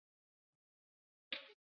青藏黄耆为豆科黄芪属的植物。